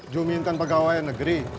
juminten pegawai negeri